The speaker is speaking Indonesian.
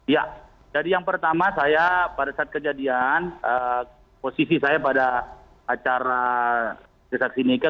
ya jadi yang pertama saya pada saat kejadian posisi saya pada acara resaksi mika